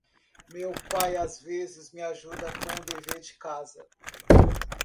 Meu pai às vezes me ajuda com meu dever de casa.